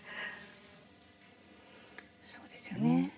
そうですよね。